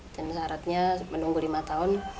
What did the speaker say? dan syaratnya menunggu lima tahun